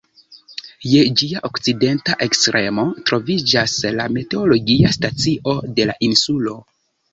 Je ĝia okcidenta ekstremo troviĝas la meteologia stacio de la insulo.